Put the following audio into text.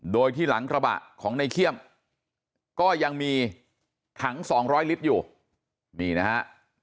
โดยที่หลังกระบะของในเขี้ยมก็ยังมีถัง๒๐๐ลิตรอยู่นี่นะฮะ